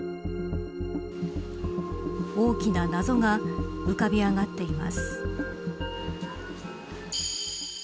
大きな謎が浮かび上がっています。